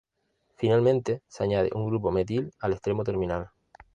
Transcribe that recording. Finalmente, se añade un grupo metil al extremo terminal.